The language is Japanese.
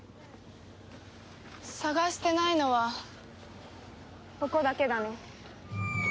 捜してないのはここだけだね。